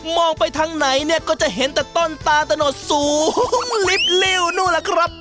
ไปทางไหนเนี่ยก็จะเห็นแต่ต้นตาตะโนดสูงลิบลิวนู่นล่ะครับ